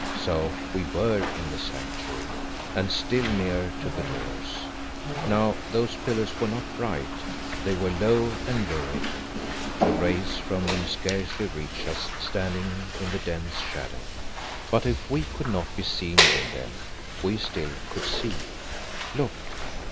So we were in the Sanctuary, and still near to the doors. Now those pillars were not bright; they were low and lurid; the rays from them scarcely reached us standing in the dense shadow. But if we could not be seen in them we still could see. Look!